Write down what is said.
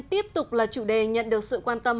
tiếp tục là chủ đề nhận được sự quan tâm